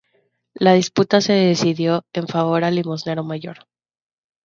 La disputa se decidió en favor del limosnero mayor.